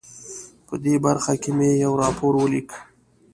په دې برخه کې مې یو راپور ولیک.